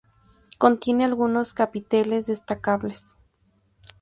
Contiene algunos capiteles destacables.